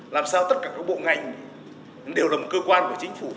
làm sao tất cả các bộ ngành đều là một cơ quan của chính phủ